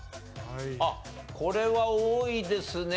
あっこれは多いですね。